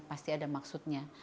pasti ada maksudnya